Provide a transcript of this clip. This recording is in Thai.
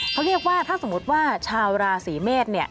เขาเรียกว่าถ้าสมมุติว่าชาวราศีเมษ